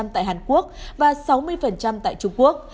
tại hàn quốc và sáu mươi tại trung quốc